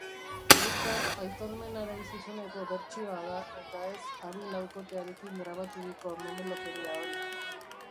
Behintzat Aitormena-ren zuzeneko bertsioa da, eta ez hari-laukotearekin grabaturiko memelokeria hori.